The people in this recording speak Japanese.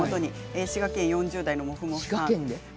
滋賀県４０代の方です。